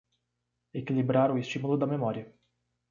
Equilibrar o estímulo da memória